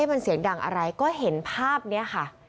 มันเสียงดังอะไรก็เห็นภาพนี้ค่ะ